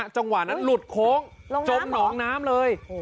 จังหวะนั้นหลุดโค้งจมหนองน้ำเลย